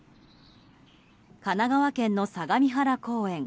神奈川県の相模原公園。